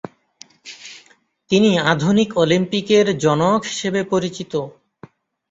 তিনি আধুনিক অলিম্পিকের জনক হিসেবে পরিচিত।